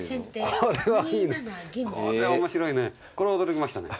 これは面白いね。